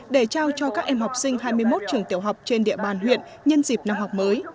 để trao cho các em học sinh hai mươi một trường tiểu học trên địa bàn huyện nhân dịp năm học mới